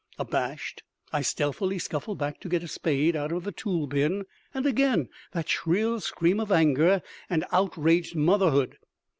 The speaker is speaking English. Abashed, I stealthily scuffle back to get a spade out of the tool bin and again that shrill scream of anger and outraged motherhood.